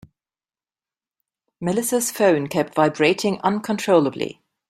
Melissa's phone kept vibrating uncontrollably.